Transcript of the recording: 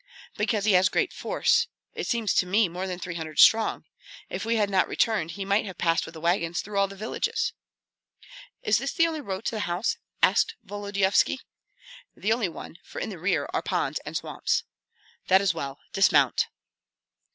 "Because he has great force, it seems to me more than three hundred strong. If we had not returned he might have passed with the wagons through all the villages." "Is this the only road to the house?" asked Volodyovski. "The only one, for in the rear are ponds and swamps." "That is well. Dismount!"